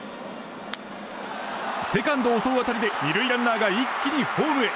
セカンドを襲う当たりで２塁ランナーが一気にホームへ。